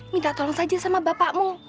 minta tolong saja sama bapakmu